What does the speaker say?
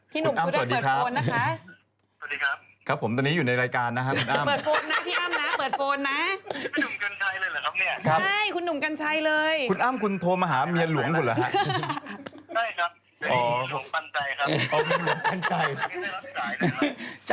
พี่อ้ำนุ่มก็ได้เปิดโฟนนะคะ